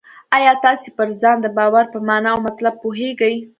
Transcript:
آیا تاسې پر ځان د باور په مانا او مطلب پوهېږئ؟